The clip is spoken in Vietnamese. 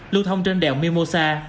lưu thông trên đèo mimosa